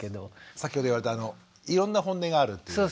先ほど言われたいろんなホンネがあるっていう。